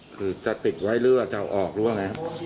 คือจะติดไว้หรือว่าจะเอาออกหรือว่าไงครับ